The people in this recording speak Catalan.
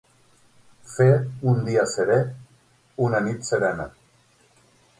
Fer un dia serè, una nit serena.